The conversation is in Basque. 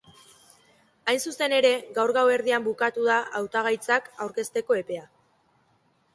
Hain zuzen ere, gaur gauerdian bukatu da hautagaitzak aurkezteko epea.